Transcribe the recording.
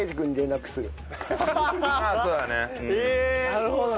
なるほど。